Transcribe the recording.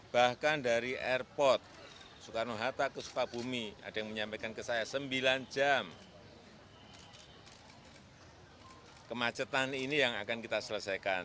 bahkan dari airport soekarno hatta ke sukabumi ada yang menyampaikan ke saya sembilan jam kemacetan ini yang akan kita selesaikan